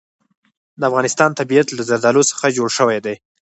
د افغانستان طبیعت له زردالو څخه جوړ شوی دی.